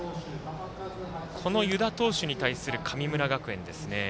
湯田投手に対する神村学園ですね。